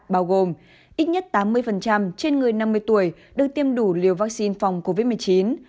bao gồm ít nhất tám mươi trên người năm mươi tuổi được tiêm đủ liều vaccine phòng covid một mươi chín